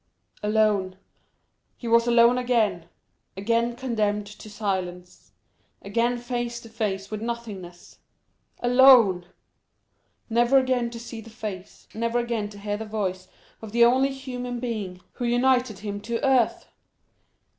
Alone! he was alone again! again condemned to silence—again face to face with nothingness! Alone!—never again to see the face, never again to hear the voice of the only human being who united him to earth!